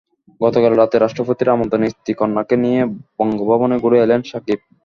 গতকাল রাতে রাষ্ট্রপতির আমন্ত্রণে স্ত্রী কন্যাকে নিয়ে বঙ্গভবনে ঘুরে এলেন সাকিব।